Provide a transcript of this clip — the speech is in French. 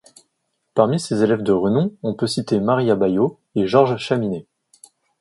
Parmi ses élèves de renom, on peut citer Maria Bayo et Jorge Chaminé.